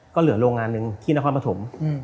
ก็เหลือโรงงานหนึ่งที่นครปฐม